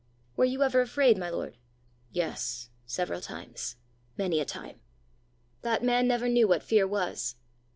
"Were you ever afraid, my lord?" "Yes, several times many a time." "That man never knew what fear was."